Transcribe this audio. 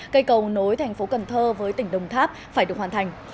cây cầu nối thành phố cần thơ với tỉnh đồng tháp phải được hoàn thành